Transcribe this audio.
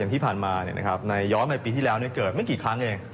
อย่างที่ผ่านมานะครับในย้อนใหม่ปีที่แล้วเนี่ยเกิดไม่กี่ครั้งเอง